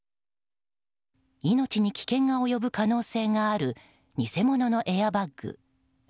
命に危険が及ぶ可能性がある偽物のエアバッグ。